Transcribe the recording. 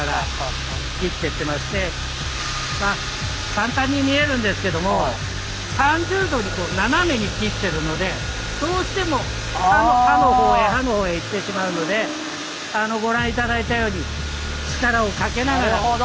簡単に見えるんですけども３０°に斜めに切ってるのでどうしても刃のほうへ刃のほうへ行ってしまうのでご覧頂いたように力をかけながら。